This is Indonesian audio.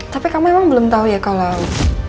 tapi kamu emang belum tau ya kalo